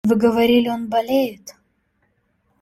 Вы говорили, он болеет.